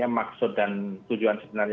maksud dan tujuan sebenarnya